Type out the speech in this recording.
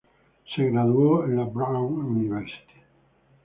Se graduó en la Brown University.